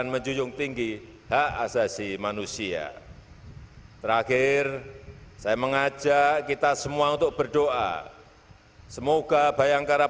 penghormatan kepada panji panji kepolisian negara republik indonesia tri brata